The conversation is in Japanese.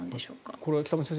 これは北村先生